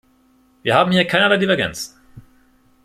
Wir haben hier keinerlei Divergenz.